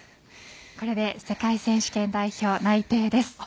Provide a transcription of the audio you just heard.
これで世界選手権代表内定です。